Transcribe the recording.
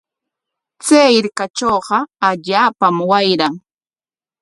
Chay hirkatrawqa allaapam wayran.